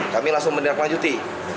kami langsung mendirak lanjuti